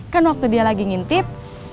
kan waktu dia lagi ngintip